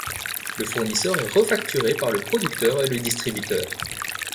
Le fournisseur est refacturé par le producteur et le distributeur.